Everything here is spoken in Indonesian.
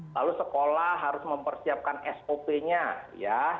lalu sekolah harus mempersiapkan sop nya ya